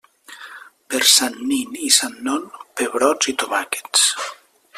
Per Sant nin i Sant Non, pebrots i tomàquets.